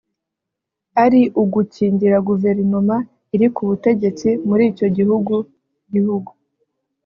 ari ugukingira guverinoma iri ku butegetsi mur’icyo gihugu gihugu